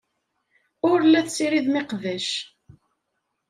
Ur la tessiridem iqbac.